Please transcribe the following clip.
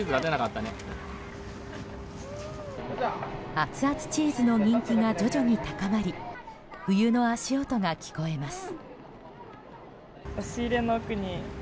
アツアツチーズの人気が徐々に高まり冬の足音が聞こえます。